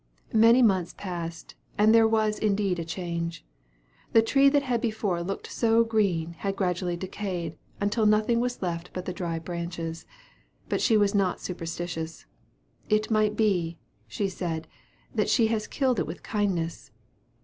Many months passed away, and there was indeed a change. The tree that had before looked so green, had gradually decayed, until nothing was left but the dry branches. But she was not superstitious: "It might be," she said, "that she had killed it with kindness."